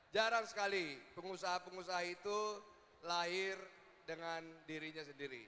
jarang sekali pengusaha pengusaha itu lahir dengan dirinya sendiri